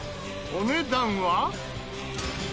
お値段は。